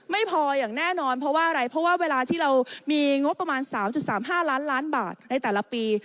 ไม่พออย่างแน่นอนเพราะว่าอะไรเพราะว่าเวลาที่เรามีงบประมาณ๓๓๕ล้านล้านบาทในแต่ละปี